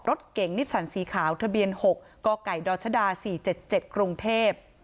รถเก่งนิสสันสีขาวทะเบียนหกกดชสี่เจ็ดเจ็ดกรุงเทพ